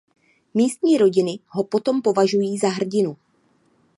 Místní rodiny ho potom považují za hrdinu.